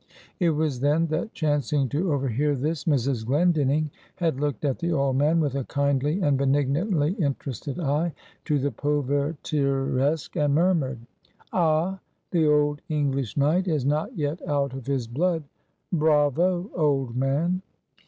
It was then, that chancing to overhear this, Mrs. Glendinning had looked at the old man, with a kindly and benignantly interested eye to the povertiresque; and murmured, "Ah! the old English Knight is not yet out of his blood. Bravo, old man!"